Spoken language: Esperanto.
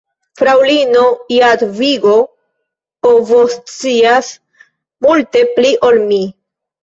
Fraŭlino Jadvigo povoscias multe pli ol mi.